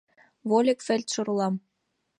— Вольык фельдшер улам.